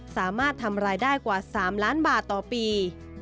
สามารถทำรายได้กว่า๓ล้านบาทต่อปี